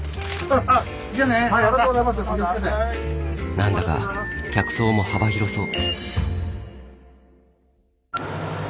何だか客層も幅広そう。